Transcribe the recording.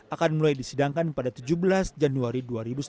akan mulai disidangkan pada tujuh belas januari dua ribu sembilan belas